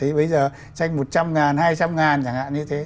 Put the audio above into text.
thì bây giờ tranh một trăm linh ngàn hai trăm linh ngàn chẳng hạn như thế